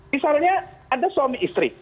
misalnya ada suami istri